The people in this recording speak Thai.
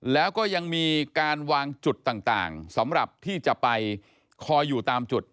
แล้วก็ยังมีการวางจุดต่างสำหรับที่จะไปคอยอยู่ตามจุด